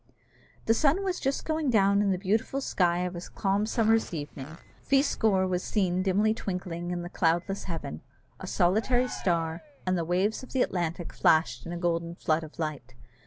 The sun was just going down in the beautiful sky of a calm summer's evening. Feascor was seen dimly twinkling in the cloudless heaven, a solitary star, and the waves of the Atlantic flashed in a golden flood of light.